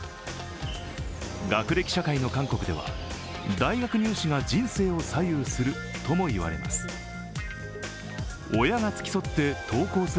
学歴社会の韓国では大学入試が人生を左右するとも言われます。